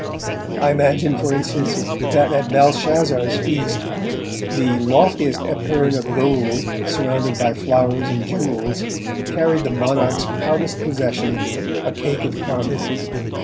I imagined, for instance, that at Belshazzar's feast, the loftiest epergne of gold, surrounded by flowers and jewels, carried the monarch's proudest possession, a cake of carmine.